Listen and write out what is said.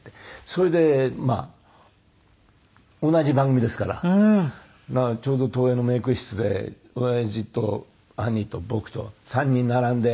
それで同じ番組ですからちょうど東映のメイク室で親父と兄と僕と３人並んで。